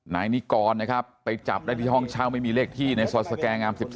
นายนิกรไปจับได้ที่ห้องเช่าไม่มีเลขที่ในซอสแกรงอำ๑๔